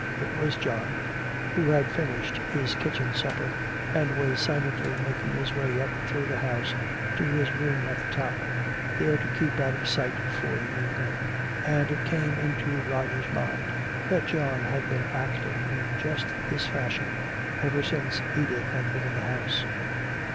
It was John, who had finished his kitchen supper and was silently making his way up through the house to his room at the top, there to keep out of sight for the evening. And it came into Roger's mind that John had been acting in just this fashion ever since Edith had been in the house.